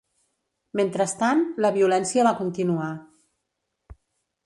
Mentrestant, la violència va continuar.